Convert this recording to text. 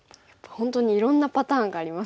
本当にいろんなパターンがありますね。